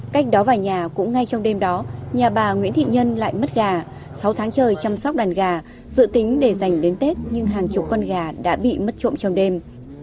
cách đó vài nhà cũng ngay trong đêm đó nhà bà nguyễn thị nhân lại mất gà sáu tháng trời chăm sóc đàn gà dự tính để giành đến tết nhưng hàng chục con gà đã bị mất trộm trong đêm